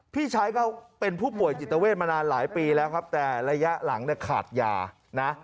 พี่ชายก็เป็นผู้ป่วยจิตเวทมานานหลายปีแล้วครับแต่ระยะหลังเนี่ยขาดยานะ